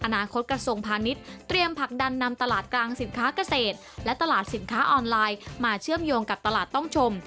กระทรวงพาณิชย์เตรียมผลักดันนำตลาดกลางสินค้าเกษตรและตลาดสินค้าออนไลน์มาเชื่อมโยงกับตลาดต้องชม